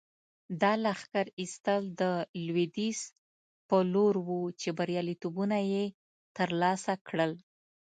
دا لښکر ایستل د لویدیځ په لور وو چې بریالیتوبونه یې ترلاسه کړل.